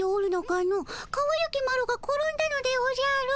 かわゆきマロが転んだのでおじゃる。